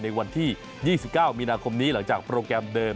ในวันที่๒๙มีนาคมนี้หลังจากโปรแกรมเดิม